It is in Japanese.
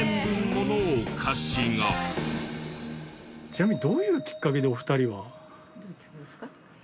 ちなみにどういうきっかけでお二人は？